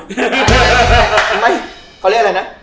เขาเรียกอะไรนะ